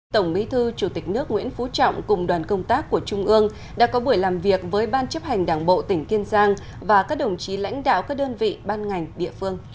tổng bí thư chủ tịch nước nguyễn phú trọng cùng đoàn công tác của trung ương đã có buổi làm việc với ban chấp hành đảng bộ tỉnh kiên giang và các đồng chí lãnh đạo các đơn vị ban ngành địa phương